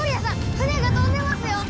船が飛んでますよ！